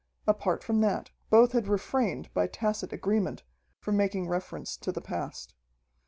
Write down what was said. Apart from that, both had refrained, by tacit agreement, from making reference to the past.